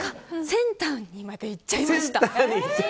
センターにまで行っちゃいました。